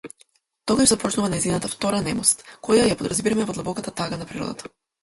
Тогаш започнува нејзината втора немост, која ја подразбираме во длабоката тага на природата.